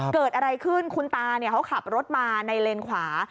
เกิดอะไรขึ้นคุณตาเขาขับรถมาในเลนขวา